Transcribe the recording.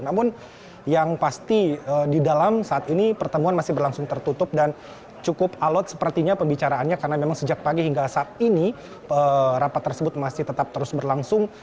namun yang pasti di dalam saat ini pertemuan masih berlangsung tertutup dan cukup alot sepertinya pembicaraannya karena memang sejak pagi hingga saat ini rapat tersebut masih tetap terus berlangsung